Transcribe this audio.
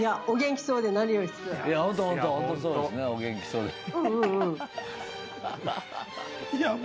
お元気そうで。